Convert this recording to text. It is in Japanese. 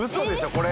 これ。